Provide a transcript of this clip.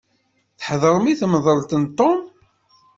Tḥeḍrem i temḍelt n Tom?